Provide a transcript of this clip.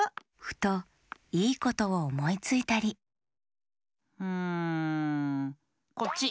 ふといいことをおもいついたりんこっち！